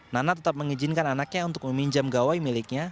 nana tetap mengizinkan anaknya untuk meminjam gawai miliknya